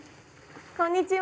こんにちは。